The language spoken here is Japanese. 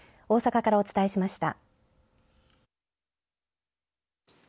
大阪からお伝えしました。